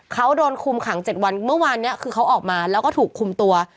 เขาโดนคุมขัง๗วันเมื่อวานนี้คือเขาออกมาแล้วก็ถูกคุมตัว